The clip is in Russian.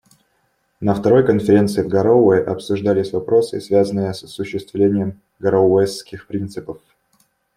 На второй конференции в Гароуэ обсуждались вопросы, связанные с осуществлением «Гароуэсских принципов».